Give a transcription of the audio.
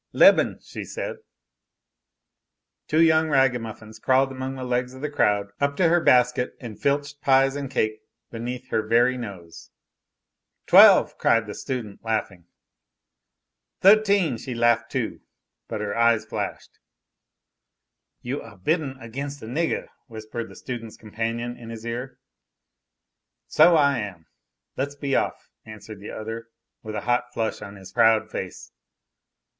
"Leben," she said. Two young ragamuffins crawled among the legs of the crowd up to her basket and filched pies and cake beneath her very nose. "Twelve!" cried the student, laughing. "Thirteen!" she laughed, too, but her eyes flashed. "You are bidding against a niggah" whispered the student's companion in his ear. "So I am; let's be off," answered the other, with a hot flush on his proud face.